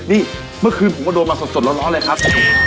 นี่เขาโมงมาสดแล้วล้อเลยครับ